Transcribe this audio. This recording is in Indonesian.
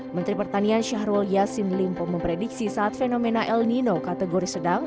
menteri pertanian syahrul yassin limpo memprediksi saat fenomena el nino kategori sedang